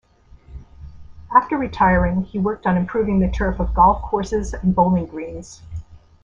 After retiring, he worked on improving the turf of golf courses and bowling greens.